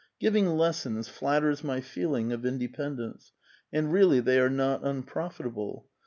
Giving lessons flatters my feeling of independence ; and really they are not unprofitable.